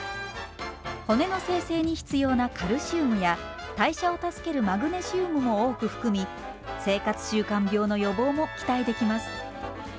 骨の生成に必要なカルシウムや代謝を助けるマグネシウムも多く含み生活習慣病の予防も期待できます。